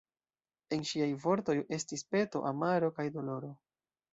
En ŝiaj vortoj estis peto, amaro kaj doloro.